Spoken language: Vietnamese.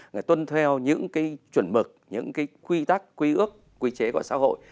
người tuân theo những cái chuẩn mực những cái quy tắc quy ước quy chế của xã hội